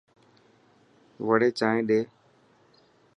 وڙي چائن ڏي.